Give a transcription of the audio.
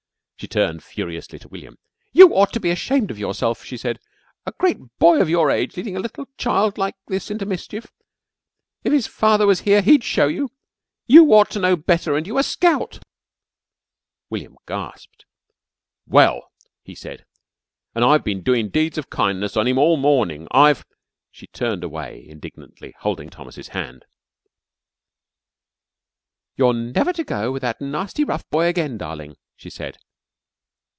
She turned furiously to William. "You ought to be ashamed of yourself," she said. "A great boy of your age leading a little child like this into mischief! If his father was here, he'd show you. You ought to know better! And you a scout." William gasped. [Illustration: SHE TURNED FURIOUSLY TO WILLIAM. "YOU OUGHT TO BE ASHAMED OF YOURSELF," SHE SAID.] "Well!" he said. "An' I've bin doin' deeds of kindness on him all morning. I've " She turned away indignantly, holding Thomas's hand. "You're never to go with that nasty rough boy again, darling," she said.